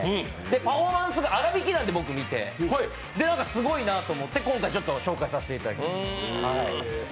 パフォーマンスが「あらびき団」で僕見て、すごいなと思って今回、紹介させていただきます。